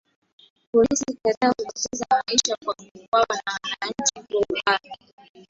polisi kadhaa wamepoteza maisha kwa kuuwawa na wanachama bokharam